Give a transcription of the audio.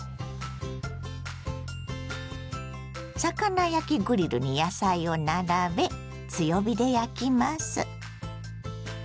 魚焼きグリルに野菜を並べ強火で焼きます。